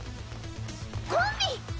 コンビ！